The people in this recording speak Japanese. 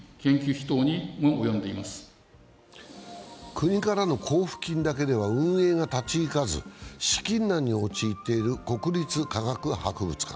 国からの交付金だけでは運営が立ち行かず、資金難に陥っている国立科学博物館。